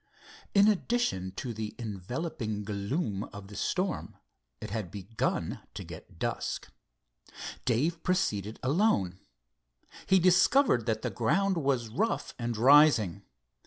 In addition to the enveloping gloom of the storm, it had begun to get dusk. Dave proceeded alone. He discovered that the ground was rough and rising.